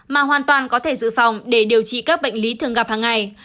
mà hoàn toàn có thể dự phòng để điều trị các bệnh lý thường gặp hàng ngày